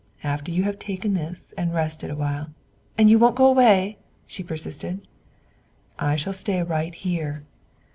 "After you have taken this and rested awhile." "And you won't go away?" she persisted. "I shall stay right here."